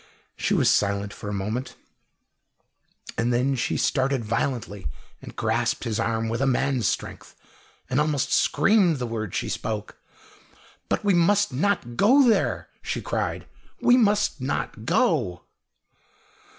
She was silent for a moment, and then she started violently and grasped his arm with a man's strength, and almost screamed the words she spoke. "But we must not go there!" she cried. "We must not go!"